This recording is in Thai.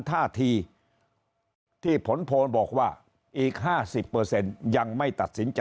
ท่าทีที่ผลพลบอกว่าอีกห้าสิบเปอร์เซ็นต์ยังไม่ตัดสินใจ